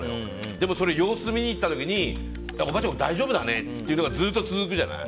でも、様子を見に行った時におばあちゃん大丈夫だねってのがずっと続くじゃない。